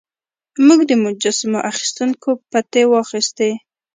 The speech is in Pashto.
موږ د مجسمو اخیستونکو پتې واخیستې.